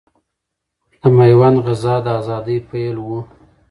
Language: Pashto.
د ميوند غزا د اذادۍ پيل ؤ